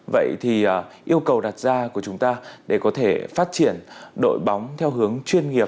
vậy thì yêu cầu đặt ra của chúng ta để có thể phát triển đội bóng theo hướng chuyên nghiệp